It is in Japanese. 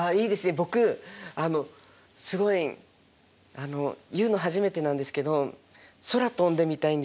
僕すごい言うの初めてなんですけど空飛んでみたいんですよ。